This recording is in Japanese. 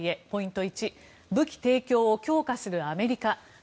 ポイント１、武器提供を強化するアメリカ。